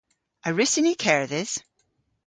A wrussyn ni kerdhes?